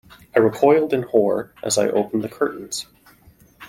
I recoiled in horror as I opened the curtains.